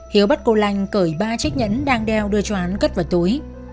hiếu bắt cô lanh cởi ba chiếc nhẫn đang đeo đưa cho hắn cất vào túi